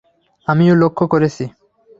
আমিও লক্ষ্য করেছি।